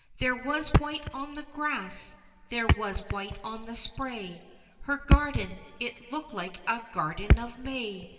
There was white on the grass there was white on the spray Her garden it looked like a garden of May!